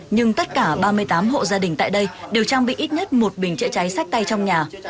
nhưng tất cả ba mươi tám hộ gia đình tại đây đều trang bị ít nhất một bình chữa cháy sách tay trong nhà